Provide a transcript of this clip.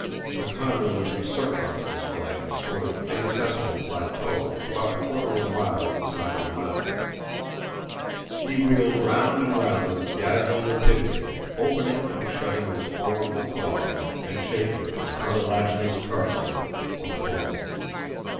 The condor was encircling in his flight a sort of inaccessible plateau about a quarter of a mile up the side of the mountain. He wheeled round and round with dazzling rapidity, opening and shutting his formidable claws, and shaking his cartilaginous carbuncle, or comb.